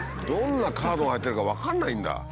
どんなカードが入ってるか分かんないんだ。